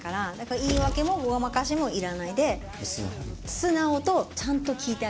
言い訳もごまかしもいらないで素直とちゃんと聞いてあげた方がいい。